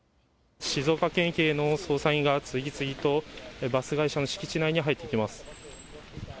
静岡県警の捜査員が次々とバス会社の敷地内に入っていきます。